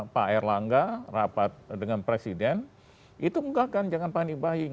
pak erlangga rapat dengan presiden itu mengungkapkan jangan panik buying